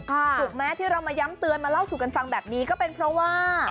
ถูกไหมที่เรามาย้ำเตือนมาเล่าสู่กันฟังแบบนี้ก็เป็นเพราะว่า